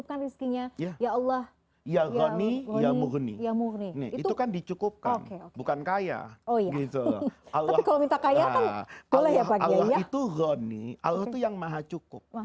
allah itu goni allah itu yang maha cukup